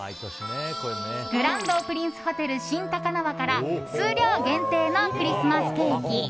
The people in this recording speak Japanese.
グランドプリンスホテル新高輪から数量限定のクリスマスケーキ。